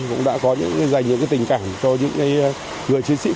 cũng đã có những cái dành những cái tình cảm cho những người chiến dân này